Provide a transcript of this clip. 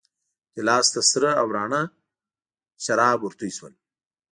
ګیلاس ته سره او راڼه شراب ورتوی شول.